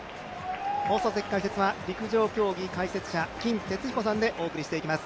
放送席解説は陸上競技解説者、金哲彦さんでお送りしていきます。